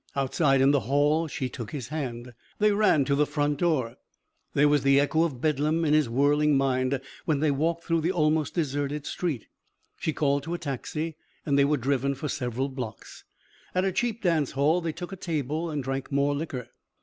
Outside, in the hall, she took his hand. They ran to the front door. There was the echo of bedlam in his whirling mind when they walked through the almost deserted street. She called to a taxi and they were driven for several blocks. At a cheap dance hall they took a table and drank more liquor.